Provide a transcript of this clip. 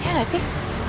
iya enggak sih